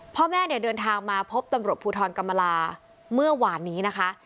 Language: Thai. พ่อแม่เนี่ยเดินทางมาพบตำรวจภูทรกรรมลาเมื่อวานนี้นะคะ